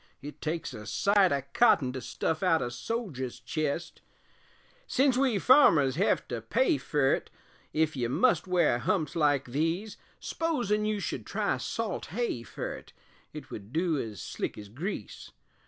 it takes a sight o' cotton To stuff out a soger's chest; Sence we farmers hev to pay fer't, Ef you must wear humps like these S'posin' you should try salt hay fer't, It would du ez slick ez grease.